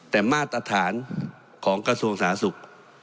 แต่มาตรฐานของกระทรวงสาธารณสุข